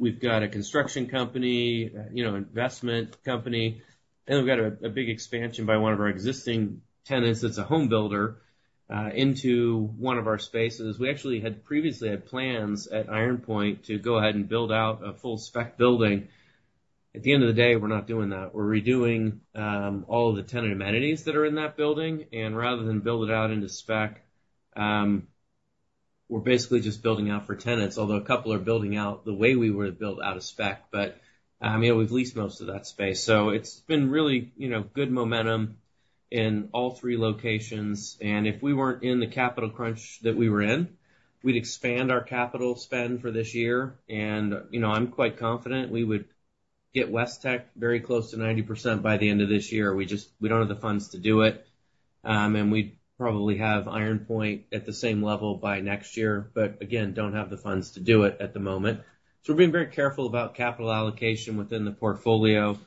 S2: we've got a construction company, investment company, and we've got a big expansion by one of our existing tenants that's a home builder, into one of our spaces. We actually had previously had plans at Iron Point to go ahead and build out a full spec building. At the end of the day, we're not doing that. We're redoing all of the tenant amenities that are in that building, and rather than build it out into spec, we're basically just building out for tenants. Although a couple are building out the way we would've built out a spec, but we've leased most of that space. It's been really good momentum in all three locations, and if we weren't in the capital crunch that we were in, we'd expand our capital spend for this year. I'm quite confident we would get West Tech very close to 90% by the end of this year. We don't have the funds to do it. We'd probably have Iron Point at the same level by next year, but again, don't have the funds to do it at the moment. We're being very careful about capital allocation within the portfolio,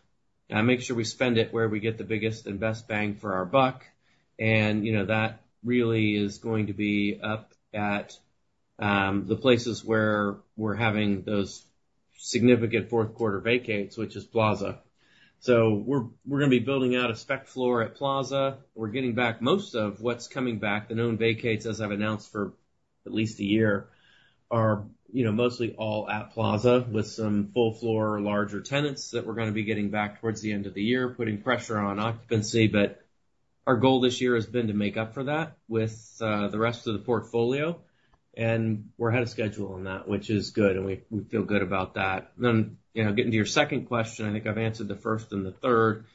S2: make sure we spend it where we get the biggest and best bang for our buck. That really is going to be up at the places where we're having those significant fourth quarter vacates, which is Plaza. We're going to be building out a spec floor at Plaza. We're getting back most of what's coming back. The known vacates, as I've announced for at least a year, are mostly all at Plaza, with some full floor, larger tenants that we're going to be getting back towards the end of the year, putting pressure on occupancy. Our goal this year has been to make up for that with the rest of the portfolio, and we're ahead of schedule on that, which is good, and we feel good about that. Getting to your second question, I think I've answered the first and the third.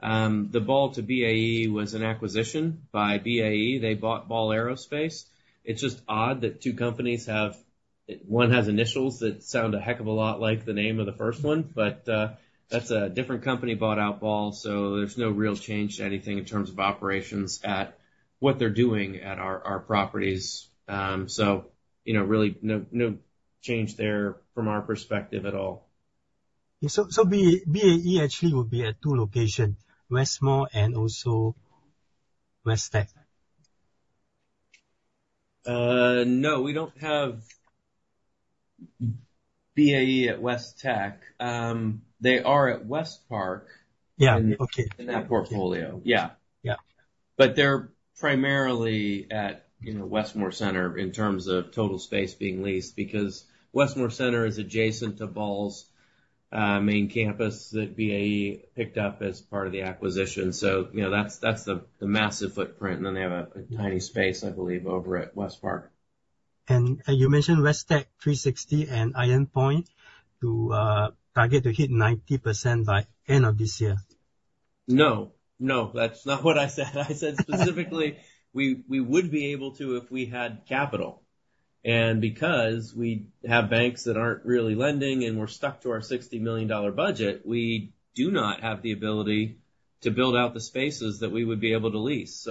S2: The Ball to BAE was an acquisition by BAE. They bought Ball Aerospace. It's just odd that one has initials that sound a heck of a lot like the name of the first one, but that's a different company bought out Ball. There's no real change to anything in terms of operations at what they're doing at our properties. Really no change there from our perspective at all.
S4: BAE actually will be at two location, Westmoor and also West Tech.
S2: No, we don't have BAE at West Tech. They are at West Park-
S4: Yeah. Okay
S2: in that portfolio. Yeah.
S4: Yeah.
S2: They're primarily at Westmoor Center in terms of total space being leased, because Westmoor Center is adjacent to Ball's main campus that BAE picked up as part of the acquisition. That's the massive footprint, and then they have a tiny space, I believe, over at West Park.
S4: You mentioned West Tech 360 and Iron Point to target to hit 90% by end of this year.
S2: No, that's not what I said. I said specifically we would be able to if we had capital. Because we have banks that aren't really lending and we're stuck to our $60 million budget, we do not have the ability to build out the spaces that we would be able to lease.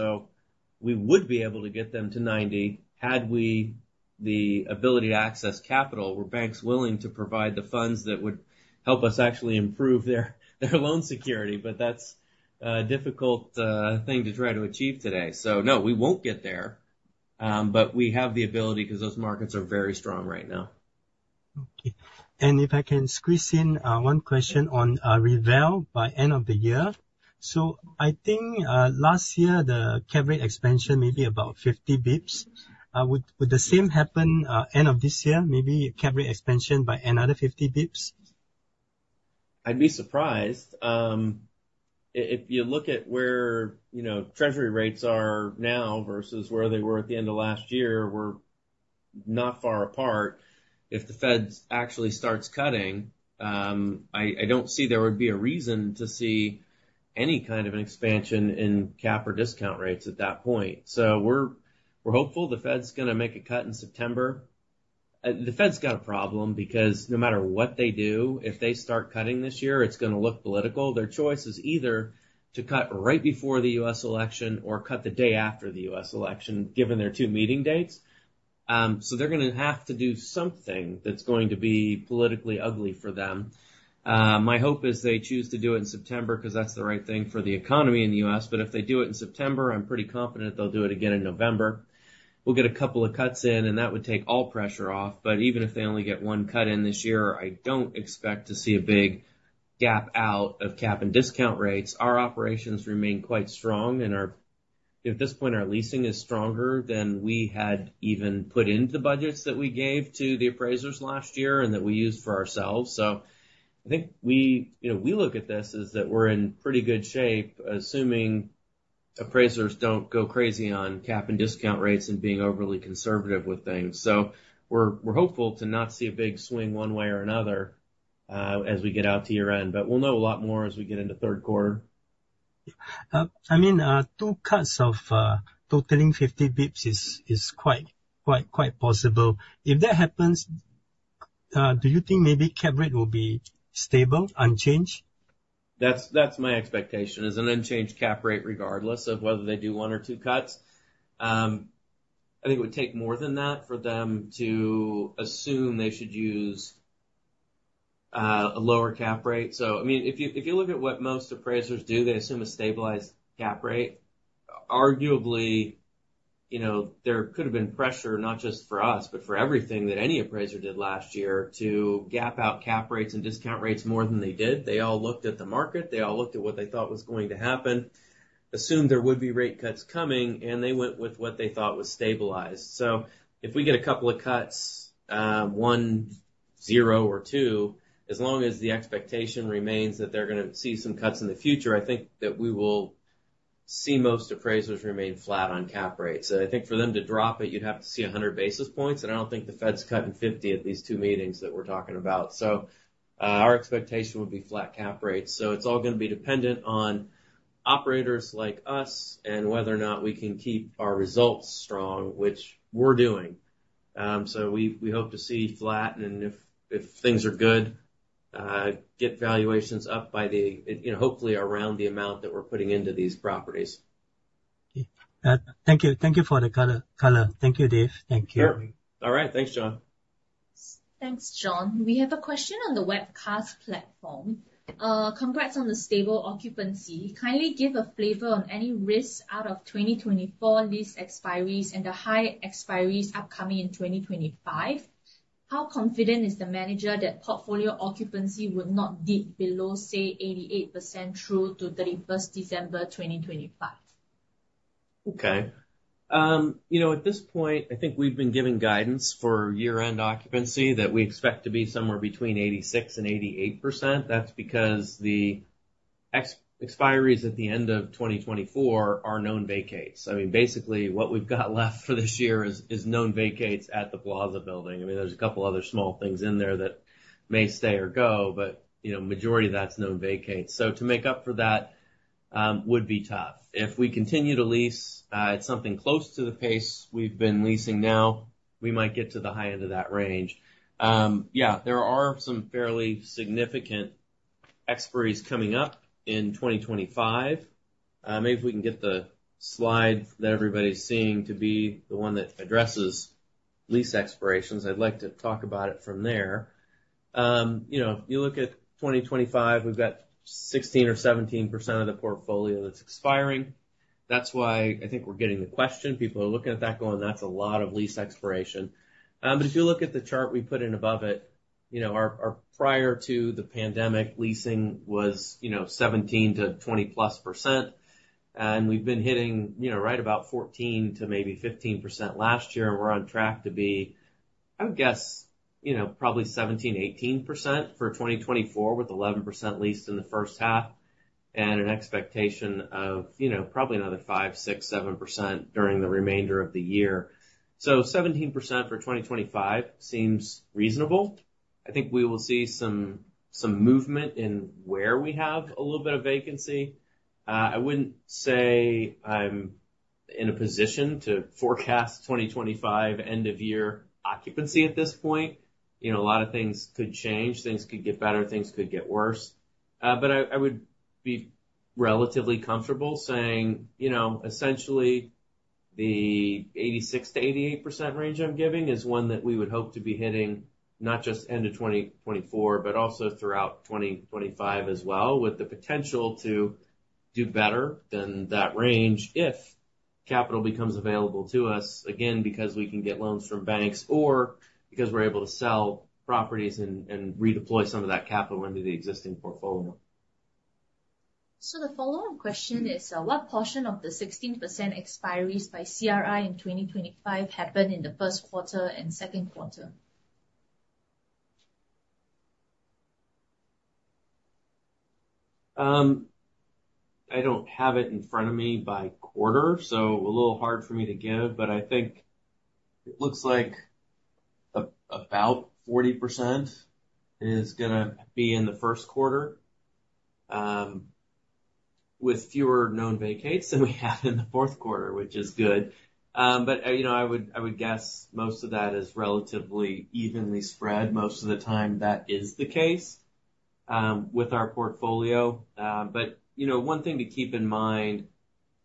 S2: We would be able to get them to 90% had we the ability to access capital, where banks willing to provide the funds that would help us actually improve their loan security, that's a difficult thing to try to achieve today. No, we won't get there. We have the ability because those markets are very strong right now.
S4: Okay. If I can squeeze in one question on reval by end of the year. I think, last year, the cap rate expansion maybe about 50 basis points. Would the same happen end of this year, maybe cap rate expansion by another 50 basis points?
S2: I'd be surprised. If you look at where treasury rates are now versus where they were at the end of last year, we're not far apart. If the Fed actually starts cutting, I don't see there would be a reason to see any kind of an expansion in cap or discount rates at that point. We're hopeful the Fed's going to make a cut in September. The Fed's got a problem because no matter what they do, if they start cutting this year, it's going to look political. Their choice is either to cut right before the U.S. election or cut the day after the U.S. election, given their two meeting dates. They're going to have to do something that's going to be politically ugly for them. My hope is they choose to do it in September because that's the right thing for the economy in the U.S. If they do it in September, I'm pretty confident they'll do it again in November. We'll get a couple of cuts in, and that would take all pressure off. Even if they only get one cut in this year, I don't expect to see a big gap out of cap and discount rates. Our operations remain quite strong and at this point, our leasing is stronger than we had even put into the budgets that we gave to the appraisers last year and that we used for ourselves. I think we look at this as that we're in pretty good shape, assuming appraisers don't go crazy on cap and discount rates and being overly conservative with things. We're hopeful to not see a big swing one way or another as we get out to year-end. We'll know a lot more as we get into third quarter.
S4: I mean, two cuts of totaling 50 basis points is quite possible. If that happens, do you think maybe cap rate will be stable, unchanged?
S2: That's my expectation is an unchanged cap rate regardless of whether they do one or two cuts. I think it would take more than that for them to assume they should use a lower cap rate. If you look at what most appraisers do, they assume a stabilized cap rate. Arguably, there could have been pressure not just for us, but for everything that any appraiser did last year to gap out cap rates and discount rates more than they did. They all looked at the market. They all looked at what they thought was going to happen, assumed there would be rate cuts coming, and they went with what they thought was stabilized. If we get a couple of cuts, one, zero, or two, as long as the expectation remains that they're going to see some cuts in the future, I think that we will see most appraisers remain flat on cap rates. I think for them to drop it, you'd have to see 100 basis points, and I don't think The Fed's cutting 50 at these two meetings that we're talking about. Our expectation would be flat cap rates. It's all going to be dependent on operators like us and whether or not we can keep our results strong, which we're doing. We hope to see flat, and if things are good, get valuations up hopefully around the amount that we're putting into these properties.
S4: Okay. Thank you for the color. Thank you, Dave. Thank you.
S2: Sure. All right. Thanks, John.
S1: Thanks, John. We have a question on the webcast platform. Congrats on the stable occupancy. Kindly give a flavor on any risks out of 2024 lease expiries and the high expiries upcoming in 2025. How confident is the manager that portfolio occupancy will not dip below, say, 88% through to 31st December 2025?
S2: Okay. At this point, I think we've been giving guidance for year-end occupancy that we expect to be somewhere between 86% and 88%. That's because the expiries at the end of 2024 are known vacates. Basically, what we've got left for this year is known vacates at the Plaza building. There's a couple other small things in there that may stay or go, but majority of that's known vacates. To make up for that would be tough. If we continue to lease at something close to the pace we've been leasing now, we might get to the high end of that range. Yeah, there are some fairly significant expiries coming up in 2025. Maybe if we can get the slide that everybody's seeing to be the one that addresses lease expirations, I'd like to talk about it from there. If you look at 2025, we've got 16% or 17% of the portfolio that's expiring. That's why I think we're getting the question. People are looking at that going, "That's a lot of lease expiration." If you look at the chart we put in above it, our prior to the pandemic leasing was 17% to 20-plus percent. We've been hitting right about 14% to maybe 15% last year, and we're on track to be, I would guess, probably 17%, 18% for 2024, with 11% leased in the first half, and an expectation of probably another 5%, 6%, 7% during the remainder of the year. 17% for 2025 seems reasonable. I think we will see some movement in where we have a little bit of vacancy. I wouldn't say I'm in a position to forecast 2025 end of year occupancy at this point. A lot of things could change. Things could get better, things could get worse. I would be relatively comfortable saying, essentially the 86% to 88% range I'm giving is one that we would hope to be hitting, not just end of 2024, but also throughout 2025 as well, with the potential to do better than that range if capital becomes available to us, again, because we can get loans from banks or because we're able to sell properties and redeploy some of that capital into the existing portfolio.
S1: The follow-up question is, what portion of the 16% expiries by CRI in 2025 happen in the first quarter and second quarter?
S2: I don't have it in front of me by quarter, a little hard for me to give, I think it looks like about 40% is going to be in the first quarter, with fewer known vacates than we had in the fourth quarter, which is good. I would guess most of that is relatively evenly spread. Most of the time, that is the case with our portfolio. One thing to keep in mind,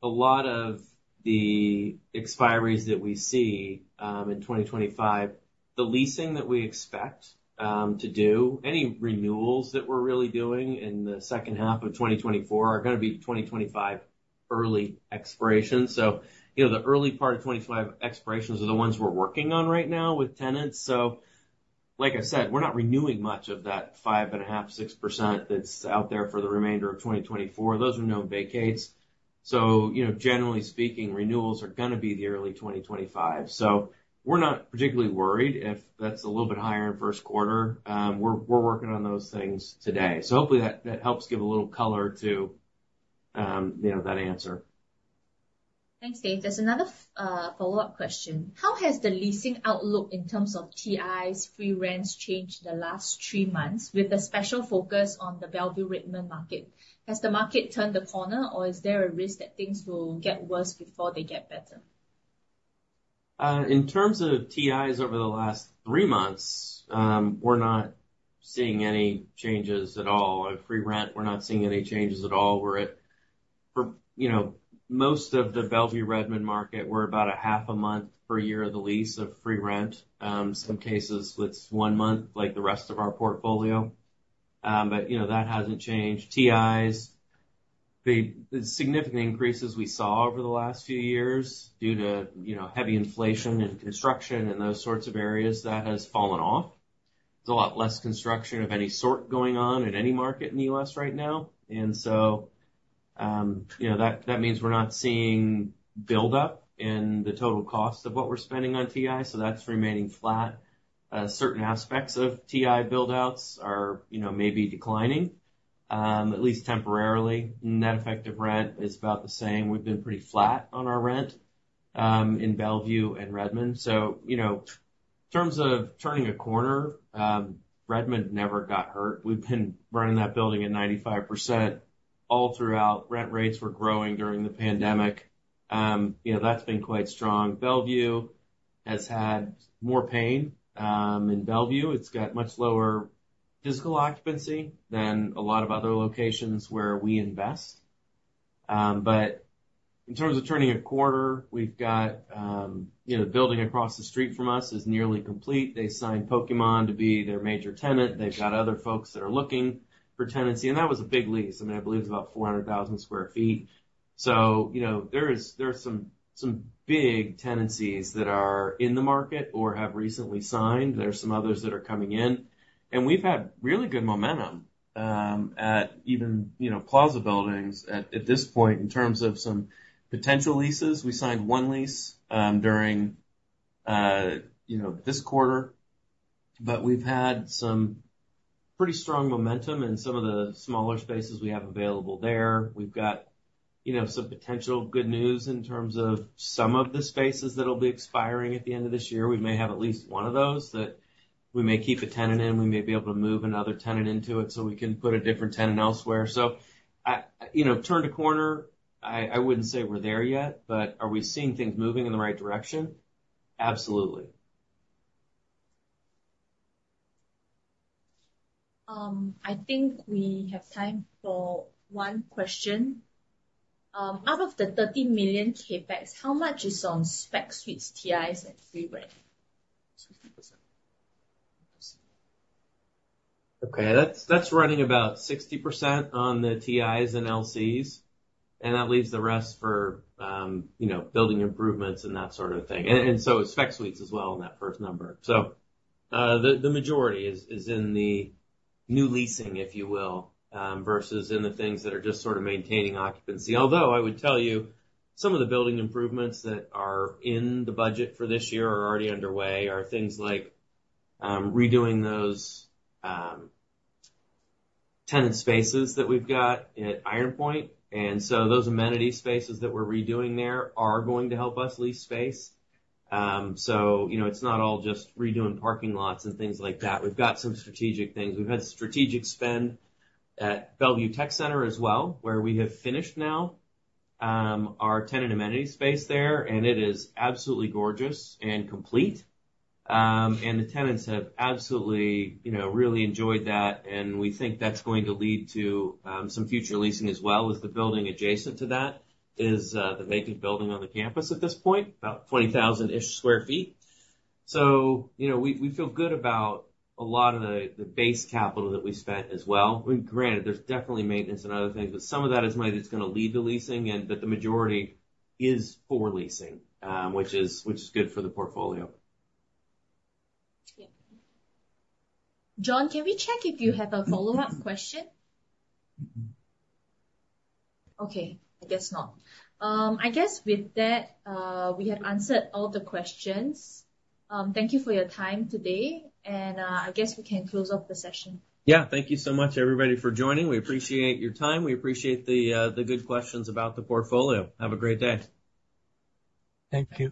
S2: a lot of the expiries that we see in 2025, the leasing that we expect to do, any renewals that we're really doing in the second half of 2024 are going to be 2025 early expirations. The early part of 2025 expirations are the ones we're working on right now with tenants. Like I said, we're not renewing much of that 5.5%, 6% that's out there for the remainder of 2024. Those are known vacates. Generally speaking, renewals are going to be the early 2025. We're not particularly worried if that's a little bit higher in first quarter. We're working on those things today. Hopefully that helps give a little color to that answer.
S1: Thanks, Dave. There's another follow-up question. How has the leasing outlook in terms of TIs, free rents changed the last three months, with a special focus on the Bellevue Redmond market? Has the market turned a corner, or is there a risk that things will get worse before they get better?
S2: In terms of TIs over the last three months, we're not seeing any changes at all. On free rent, we're not seeing any changes at all. Most of the Bellevue Redmond market, we're about a half a month per year of the lease of free rent. Some cases it's one month, like the rest of our portfolio. That hasn't changed. TIs, the significant increases we saw over the last few years due to heavy inflation in construction and those sorts of areas, that has fallen off. There's a lot less construction of any sort going on in any market in the U.S. right now. That means we're not seeing build-up in the total cost of what we're spending on TI, so that's remaining flat. Certain aspects of TI build-outs are maybe declining, at least temporarily. Net effective rent is about the same. We've been pretty flat on our rent in Bellevue and Redmond. In terms of turning a corner, Redmond never got hurt. We've been running that building at 95%. All throughout, rent rates were growing during the pandemic. That's been quite strong. Bellevue has had more pain. In Bellevue, it's got much lower physical occupancy than a lot of other locations where we invest. In terms of turning a quarter, we've got the building across the street from us is nearly complete. They signed Pokémon to be their major tenant. They've got other folks that are looking for tenancy, and that was a big lease. I believe it's about 400,000 square feet. There are some big tenancies that are in the market or have recently signed. There are some others that are coming in, we've had really good momentum at even Plaza buildings at this point in terms of some potential leases. We signed one lease during this quarter, we've had some pretty strong momentum in some of the smaller spaces we have available there. We've got some potential good news in terms of some of the spaces that'll be expiring at the end of this year. We may have at least one of those that we may keep a tenant in. We may be able to move another tenant into it so we can put a different tenant elsewhere. Turned a corner, I wouldn't say we're there yet, are we seeing things moving in the right direction? Absolutely.
S1: I think we have time for one question. Out of the $30 million CapEx, how much is on spec suites, TIs and free rent?
S2: That's running about 60% on the TIs and LCs, that leaves the rest for building improvements and that sort of thing, spec suites as well in that first number. The majority is in the new leasing, if you will, versus in the things that are just sort of maintaining occupancy. Although I would tell you, some of the building improvements that are in the budget for this year are already underway, are things like redoing those tenant spaces that we've got at Iron Point. Those amenity spaces that we're redoing there are going to help us lease space. It's not all just redoing parking lots and things like that. We've got some strategic things. We've had strategic spend at Bellevue Tech Center as well, where we have finished now our tenant amenity space there, and it is absolutely gorgeous and complete. The tenants have absolutely really enjoyed that, we think that's going to lead to some future leasing as well as the building adjacent to that is the vacant building on the campus at this point, about 20,000-ish square feet. We feel good about a lot of the base capital that we spent as well. Granted, there's definitely maintenance and other things, some of that is money that's going to lead to leasing, the majority is for leasing, which is good for the portfolio.
S1: John, can we check if you have a follow-up question?
S2: Mm-mm.
S1: I guess not. I guess with that, we have answered all the questions. Thank you for your time today, I guess we can close off the session.
S2: Yeah. Thank you so much everybody for joining. We appreciate your time. We appreciate the good questions about the portfolio. Have a great day.
S5: Thank you